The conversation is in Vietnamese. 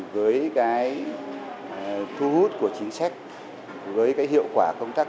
với cái thu hút của chính sách với cái hiệu quả công tác